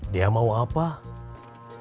dia mau pergi ke tempat lain